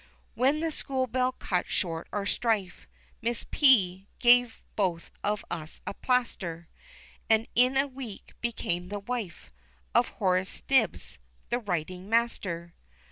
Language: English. When the school bell cut short our strife, Miss P. gave both of us a plaister; And in a week became the wife Of Horace Nibbs, the writing master.